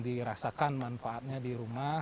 dirasakan manfaatnya di rumah